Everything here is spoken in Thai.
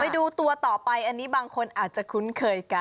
ดูตัวต่อไปอันนี้บางคนอาจจะคุ้นเคยกัน